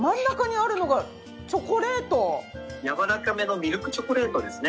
やわらかめのミルクチョコレートですね。